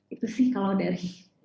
itu sih kalau dari